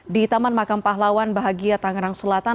di taman makam pahlawan bahagia tangerang selatan